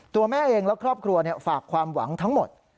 ตัวแม่เองและครอบครัวฝากความหวังทั้งหมด